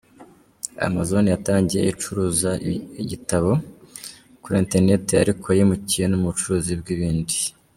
Amazon yatangiye icuruza ibitabo kuri internet ariko yimukiye no mu bucuruzi bw’ibindi.